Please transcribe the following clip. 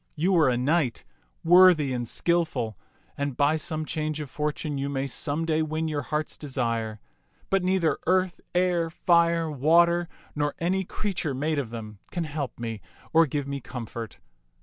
You are a knight, worthy and skillful, and by some change of fortune you may some day win your heart's desire; but neither earth, air, fire, water, nor any creature made of them can help me or give me comfort.